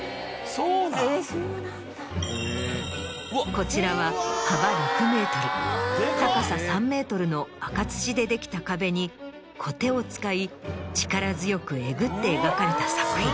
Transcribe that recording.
そうなん⁉こちらは幅６ｍ高さ３ｍの赤土でできた壁にコテを使い力強くえぐって描かれた作品。